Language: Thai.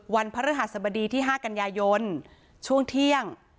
พระฤหัสบดีที่๕กันยายนช่วงเที่ยง